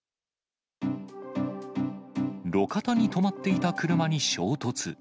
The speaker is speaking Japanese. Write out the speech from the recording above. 路肩に止まっていた車に衝突。